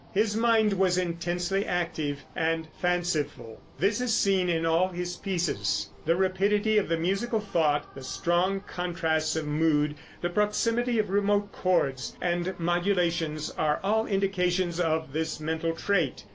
His mind was intensely active and fanciful. This is seen in all his pieces. The rapidity of the musical thought, the strong contrasts of mood, the proximity of remote chords and modulations, are all indications of this mental trait.